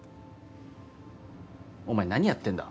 お前何やってんだ？